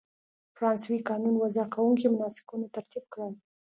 فرانسوي قانون وضع کوونکو مناسکونه ترتیب کړل.